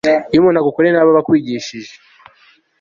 iyo umuntu agukoreye nabi aba akwigishije